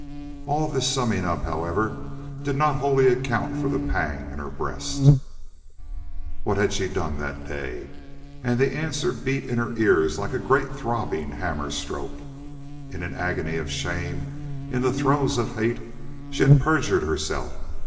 All this summing up, however, did not wholly account for the pang in her breast. What had she done that day? And the answer beat in her ears like a great throbbing hammer stroke. In an agony of shame, in the throes of hate, she had perjured herself.